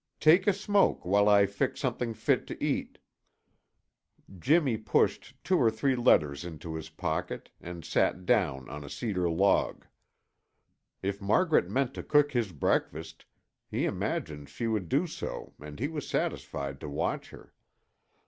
"Take a smoke while I fix something fit to eat." Jimmy pushed two or three letters into his pocket and sat down on a cedar log. If Margaret meant to cook his breakfast, he imagined she would do so and he was satisfied to watch her.